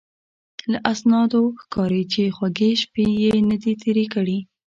له اسنادو ښکاري چې خوږې شپې یې نه دي تېرې کړې.